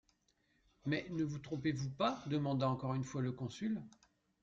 Mais ne vous trompez-vous pas? demanda encore une fois le consul.